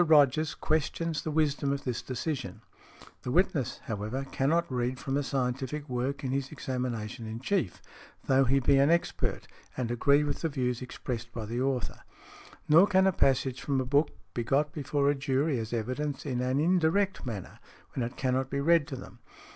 Rogers questions the wisdom of this decision . The witness, however, cannot read from a scientific work in his examination in chief, though he be an expert and agree with the views expressed by the author . Nor can a passage from a book be got before a jury as evidence in an indirect manner, when it cannot be read to them.